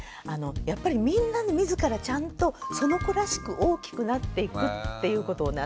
やっぱりみんな自らちゃんとその子らしく大きくなっていくっていうことをね